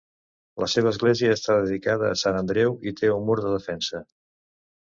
La seva església està dedicada a Sant Andreu i té un mur de defensa.